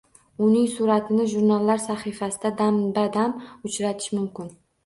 Uning suratini jurnallar sahifasida damba-dam uchratish mumkin